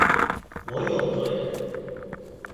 我有罪